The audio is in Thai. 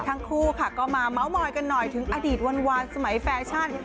ทั้งคู่ค่ะก็มาเมาส์มอยกันหน่อยถึงอดีตวันสมัยแฟชั่น